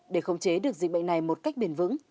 để khống chế được dịch bệnh này một cách bền vững